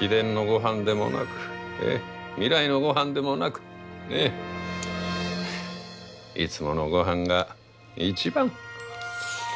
秘伝のごはんでもなく未来のごはんでもなくいつものごはんが一番！